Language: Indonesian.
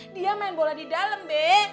dia main bola di dalam bek